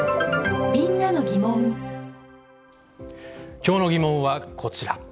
きょうのギモンはこちら。